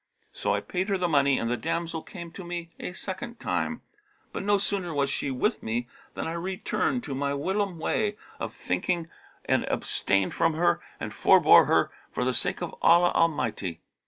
So I paid her the money and the damsel came to me a second time; but no sooner was she with me than I returned to my whilome way of thinking and abstained from her and forbore her for the sake of Allah Almighty.